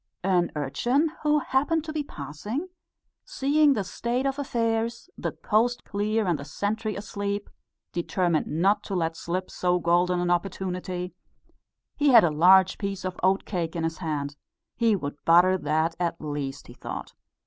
An urchin, who happened to be passing, seeing the state of affairs the coast clear and the sentry asleep determined not to let slip so golden an opportunity; he had a large piece of oat cake in his hand. He would butter that at least, he thought.